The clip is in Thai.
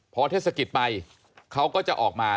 พอเทศกิจไปเขาก็จะออกมา